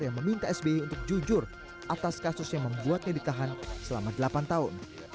yang meminta sby untuk jujur atas kasus yang membuatnya ditahan selama delapan tahun